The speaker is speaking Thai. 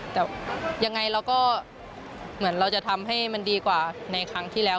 แต่ยังไงเราก็เหมือนเราจะทำให้มันดีกว่าในครั้งที่แล้ว